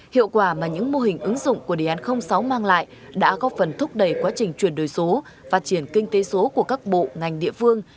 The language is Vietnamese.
hiệu quả mà những mô hình ứng dụng của đề án sáu mang lại đã góp phần thúc đẩy quá trình chuyển đổi số phát triển kinh tế số của các bộ ngành địa phương